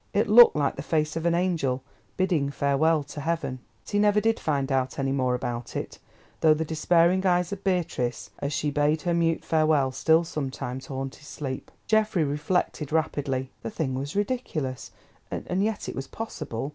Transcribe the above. It looked like the face of an angel bidding farewell to Heaven." But he never did find out any more about it, though the despairing eyes of Beatrice, as she bade her mute farewell, still sometimes haunt his sleep. Geoffrey reflected rapidly. The thing was ridiculous, and yet it was possible.